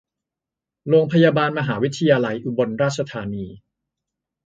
โรงพยาบาลมหาวิทยาลัยอุบลราชธานี